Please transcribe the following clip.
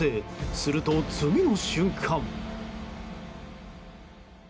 すると、次の瞬間。